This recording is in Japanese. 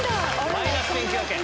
マイナス１９００円。